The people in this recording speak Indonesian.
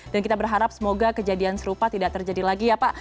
dan kita berharap semoga kejadian serupa tidak terjadi lagi ya pak